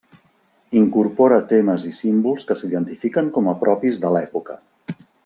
Incorpora temes i símbols que s'identifiquen com a propis de l'època.